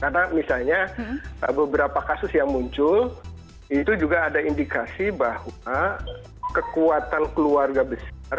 karena misalnya beberapa kasus yang muncul itu juga ada indikasi bahwa kekuatan keluarga besar